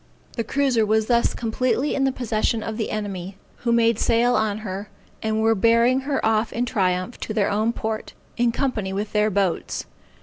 The cruiser was thus completely in the possession of the enemy, who made sail on her, and were bearing her off in triumph to their own port, in company with their boats.